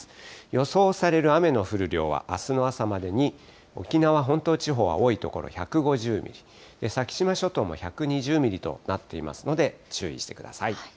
予想される雨の降る量はあすの朝までに、沖縄本島地方は多い所１５０ミリ、先島諸島も１２０ミリとなっていますので注意してください。